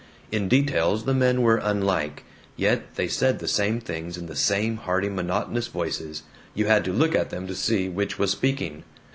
In details the men were unlike, yet they said the same things in the same hearty monotonous voices. You had to look at them to see which was speaking.